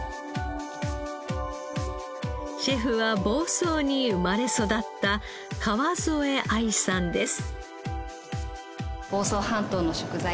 シェフは房総に生まれ育った川副藍さんです。